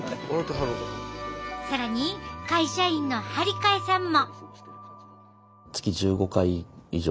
更に会社員の張替さんも。